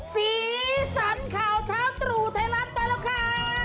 ศีลสันข่าวเช้าตรู่ไทยลัดไปละครับ